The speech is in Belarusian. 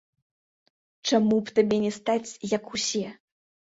Чаму б табе не стаць, як усе?